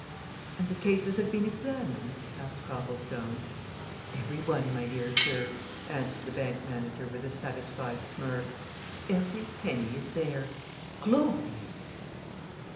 "And the cases have been examined?" asked Copplestone. "Every one, my dear sir," answered the bank manager with a satisfied smirk. "Every penny is there! Glorious!"